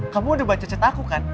kamu udah baca ceta aku kan